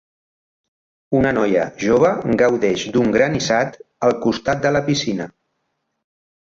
Una noia jove gaudeix d'un granissat al costat de la piscina.